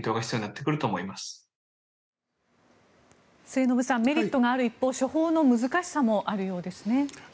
末延さんメリットがある一方処方の難しさもあるようですね。